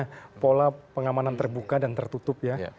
ya kita punya pola pengamanan terbuka dan tertutup ya